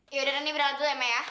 yaudah rani berangkat dulu ya ma ya